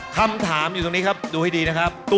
ข้อ๒ครับ